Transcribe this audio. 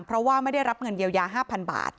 เพราะว่าไม่ได้รับเงินเยียวยา๕๐๐บาท